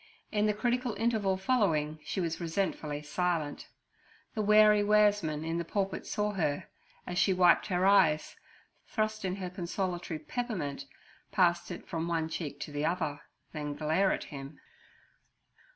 In the critical interval following she was resentfully silent. The wary waresman in the pulpit saw her, as she wiped her eyes, thrust in her consolatory peppermint, pass it from one cheek to the other, then glare at him.